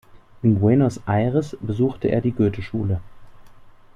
In Buenos Aires besuchte er die Goethe-Schule.